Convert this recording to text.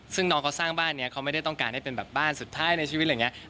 ซึ่งน้องเขาสร้างบ้านนี้เขาไม่ได้ต้องการให้เป็นแบบบ้านสุดท้ายในชีวิตอะไรอย่างนี้